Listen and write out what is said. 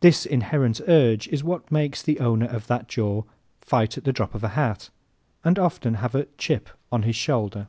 This inherent urge is what makes the owner of that jaw "fight at the drop of the hat," and often have "a chip on his shoulder."